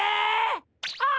あっ！